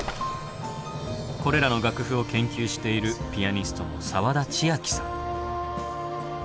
これらの楽譜を研究しているピアニストの沢田千秋さん。